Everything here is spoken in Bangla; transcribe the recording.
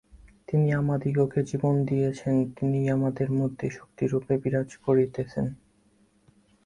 যিনি আমাদিগকে জীবন দিয়াছেন, তিনিই আমাদের মধ্যে শক্তিরূপে বিরাজ করিতেছেন।